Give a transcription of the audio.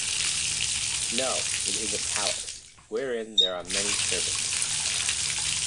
No, it is a palace, wherein there are many servants.